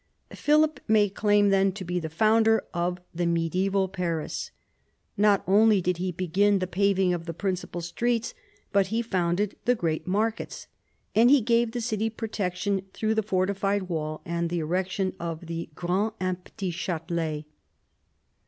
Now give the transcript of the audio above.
Philip may claim then to be the founder of the medieval Paris. Not only did he begin the paving of the principal streets, but he founded the great markets, and gave the city protection through the fortified wall and the erection of the " grand " and " petit " chatelets.